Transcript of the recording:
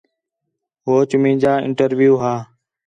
ہوچ مینجا انٹرویو ہا